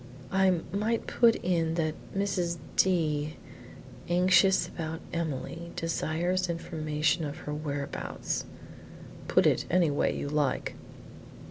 "I might put it that Mrs. D , anxious about Emily, desires information of her whereabouts " "Put it any way you like."